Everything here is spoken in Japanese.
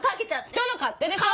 人の勝手でしょ！